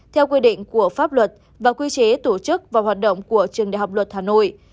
theo quy định của pháp luật và quy chế tổ chức và hoạt động của trường đại học luật hà nội